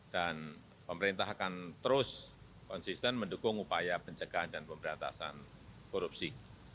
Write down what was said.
dan pemerintah akan terus konsisten mendukung upaya pencegahan dan pemberantasan korupsi